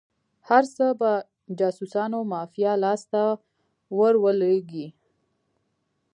هر څه د جاسوسانو مافیا لاس ته ور ولویږي.